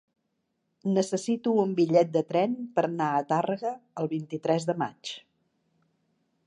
Necessito un bitllet de tren per anar a Tàrrega el vint-i-tres de maig.